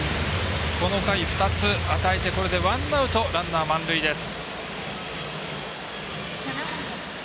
この回、２つ与えてこれでワンアウトランナー、満塁です。